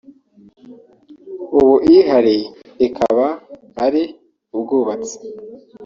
ubu ihari ikaba ari ubwubatsi